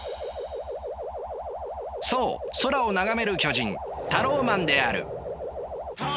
そう空を眺める巨人タローマンである。